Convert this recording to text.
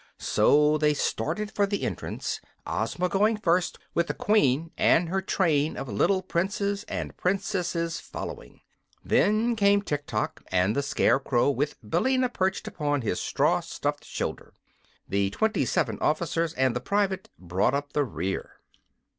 So they started for the entrance, Ozma going first, with the Queen and her train of little Princes and Princesses following. Then came Tiktok, and the Scarecrow with Billina perched upon his straw stuffed shoulder. The twenty seven officers and the private brought up the rear.